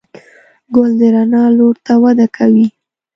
ګل د رڼا لور ته وده کوي.